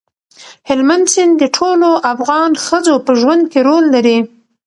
هلمند سیند د ټولو افغان ښځو په ژوند کې رول لري.